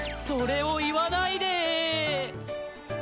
それを言わないで。